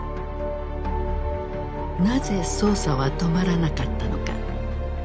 なぜ捜査は止まらなかったのか。